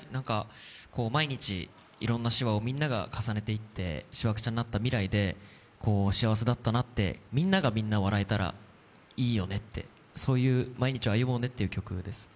毎日、いろんなしわをみんなが重ねていってしわくちゃになった未来でみんながみんな笑えたらいいよねって、そういう毎日を歩もうねっていう曲です。